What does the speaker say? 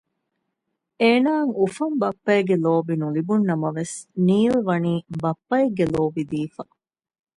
އޭނާއަށް އުފަން ބައްޕަގެ ލޯބި ނުލިބުން ނަމަވެސް ނީލްވަނީ ބައްޕައެއްގެ ލޯބި ދީފަ